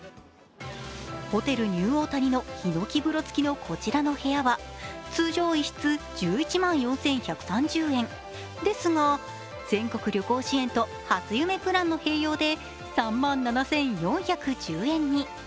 ホテルニューオータニのひのき風呂付きのこちらの部屋は、通常１室１１万４１３０円ですが、全国旅行支援と初夢プランの併用で３万７４１０円に。